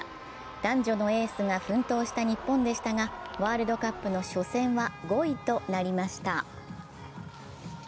男女のエースが奮闘した日本でしたがワールドカップの初戦は５位となりました。